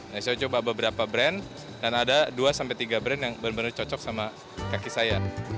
nah saya coba beberapa brand dan ada dua tiga brand yang benar benar cocok sama kaki saya